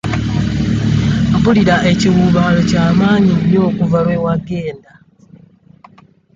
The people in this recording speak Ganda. Mpulira ekiwuubaalo ky'amaanyi nnyo okuva lwe wagenda.